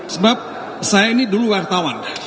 sebab saya ini dulu wartawan